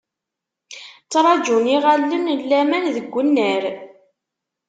Ttraǧun yiɣallen n laman deg unnar.